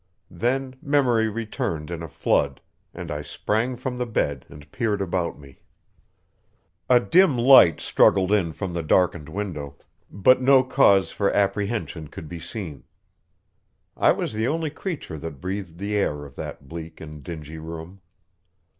Then memory returned in a flood, and I sprang from the bed and peered about me. A dim light struggled in from the darkened window, but no cause for apprehension could be seen. I was the only creature that breathed the air of that bleak and dingy room.